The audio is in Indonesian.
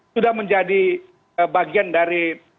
sudah menjadi bagian dari